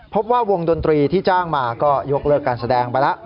พบว่าวงดนตรีที่จ้างมาก็ยกเลิกการแสดงไปแล้ว